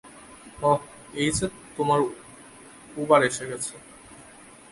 ওহ এই যে তোমার উবার এসে গেছে।